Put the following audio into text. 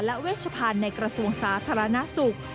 และเวชพันธ์ในกระทรวงสาธารณสุข